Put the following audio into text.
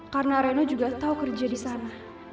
karena reno juga tahu kerja di sana